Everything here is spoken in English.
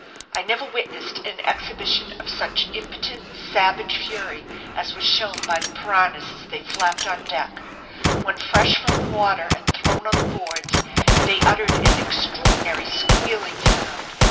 I never witnessed an exhibition of such impotent, savage fury as was shown by the piranhas as they flapped on deck. When fresh from the water and thrown on the boards they uttered an extraordinary squealing sound.